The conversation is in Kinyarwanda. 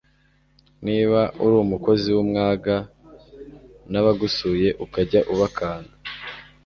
Niba uri umukozi w'umwaga n'abagusuye ukajya ubakanga